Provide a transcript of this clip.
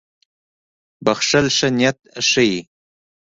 • بښل ښه نیت ښيي.